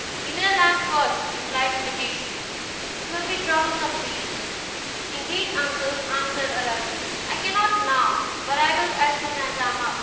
"Give me the lamp first," replied the magician; "it will be troublesome to you." "Indeed, uncle," answered Aladdin, "I cannot now, but I will as soon as I am up."